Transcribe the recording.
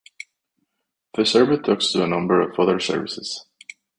The server talks to a number of other services